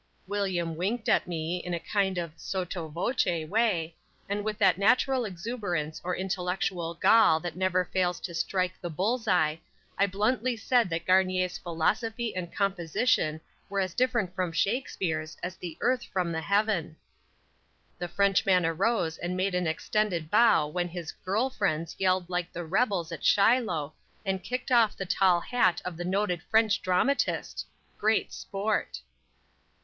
William winked at me in a kind of sotto voce way, and with that natural exuberance or intellectual "gall" that never fails to strike the "bull's eye," I bluntly said that Garnier's philosophy and composition were as different from Shakspere's as the earth from the heaven! The Frenchman arose and made an extended bow when his "girl" friends yelled like the "rebels" at Shiloh and kicked off the tall hat of the noted French dramatist! Great sport!